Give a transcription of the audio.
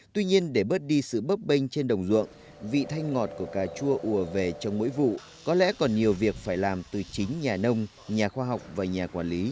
tuy nhiên để bớt đi sự bấp bênh trên đồng ruộng vị thanh ngọt của cà chua ùa về trong mỗi vụ có lẽ còn nhiều việc phải làm từ chính nhà nông nhà khoa học và nhà quản lý